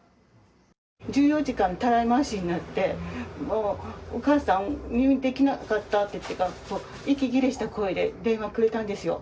１４時間たらい回しになって、もう、お母さん、入院できなかったって、息切れした声で電話くれたんですよ。